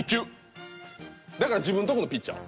だから自分とこのピッチャー。